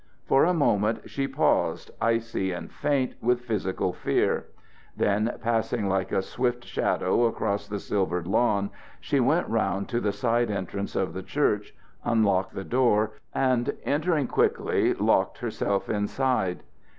For a moment she paused, icy and faint with physical fear; then, passing like a swift shadow across the silvered lawn, she went round to the side entrance of the church, unlocked the door, and, entering quickly, locked herself inside.